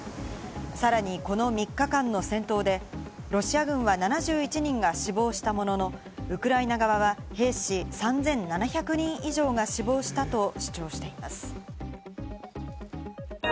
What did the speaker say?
さらに、この３日間の戦闘でロシア軍は７１人が死亡したものの、ウクライナ側は兵士３７００人以上が死亡したと主張しています。